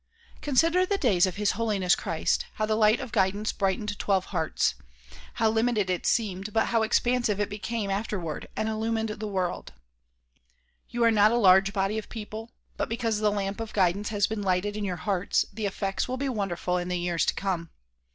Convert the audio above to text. Consider the days of His Holiness Christ, how the light of guidance brightened twelve hearts. How limited it seemed but how expansive it became afterward and illumined the world ! You are not a large body of people but because the lamp of guidance has been lighted in your hearts the effects will be 190 THE PROMULGATION OF UNIVERSAL PEACE wonderful in the years to come.